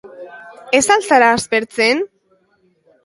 Ez al zara aspertzen?